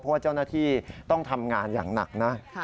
เพราะว่าเจ้าหน้าที่ต้องทำงานอย่างหนักนะ